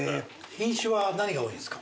品種は何が多いですか？